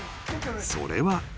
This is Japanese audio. ［それは］